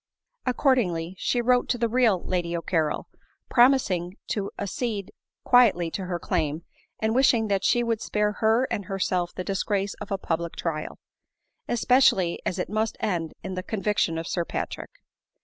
Accordingly, she wrote to the real Lady O'Carrol, promising to accede quietly to her claim, and wishing that she would spare her and herself the dis grace of a public trial ; especially as it must end in (he conviction of Sir Patrick.